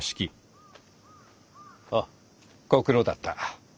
あご苦労だった。